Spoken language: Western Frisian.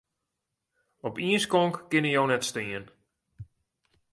Op ien skonk kinne jo net stean.